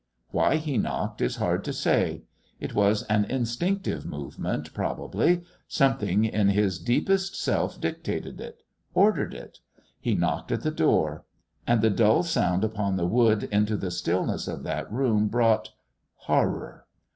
Why he knocked is hard to say. It was an instinctive movement probably. Something in his deepest self dictated it ordered it. He knocked at the door. And the dull sound upon the wood into the stillness of that room brought horror.